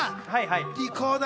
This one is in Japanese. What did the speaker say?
リコーダー